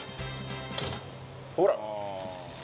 ほら！